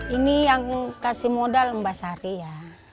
ini yang kasih modal mbak sari ya